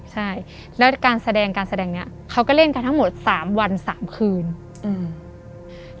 ใช่แล้วการแสดงการแสดงเนี้ยเขาก็เล่นกันทั้งหมดสามวันสามคืนอืม